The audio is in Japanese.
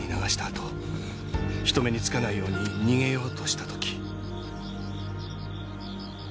あと人目につかないように逃げようとした時。